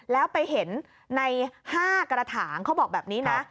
แล้วไปเห็นใน๕กระถางเขาบอกแบบนี้นะ